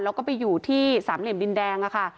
แล้วก็ไปอยู่ที่สามเหลี่ยมดินแดงค่ะ